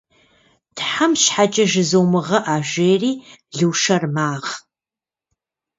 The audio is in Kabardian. Тхьэм щхьэкӏэ, жызумыгъэӏэ!- жери Лушэр магъ.